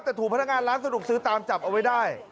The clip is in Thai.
แต่ถูกพนักงานร้านสะดวกซื้อตามจับเอาไว้ได้